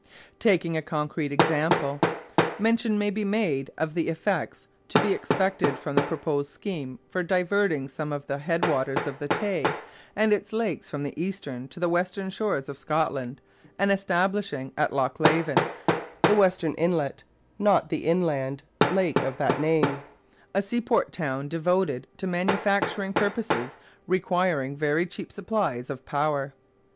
Taking a concrete example, mention may be made of the effects to be expected from the proposed scheme for diverting some of the headwaters of the Tay and its lakes from the eastern to the western shores of Scotland and establishing at Loch Leven the western inlet, not the inland lake of that name a seaport town devoted to manufacturing purposes requiring very cheap supplies of power.